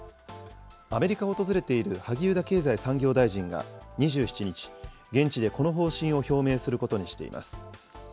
アメリカを訪れている萩生田経済産業大臣が２７日、現地でこの方針を表明することにしています。